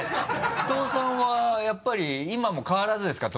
伊藤さんはやっぱり今も変わらずですか？